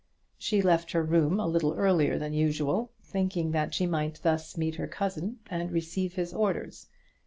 She left her room a little earlier than usual, thinking that she might thus meet her cousin and receive his orders.